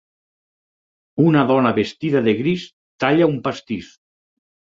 Una dona vestida de gris talla un pastís.